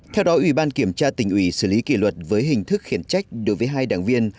theo đó ủy ban kiểm tra tỉnh ủy xử lý kỷ luật với hình thức khiển trách đối với hai đảng viên